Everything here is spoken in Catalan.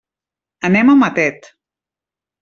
Anem a Matet.